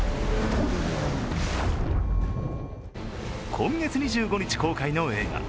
今月２５日公開の映画